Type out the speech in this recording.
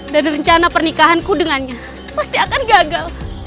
dan rencana pernikahanku dengannya pasti akan gagal